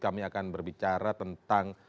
kami akan berbicara tentang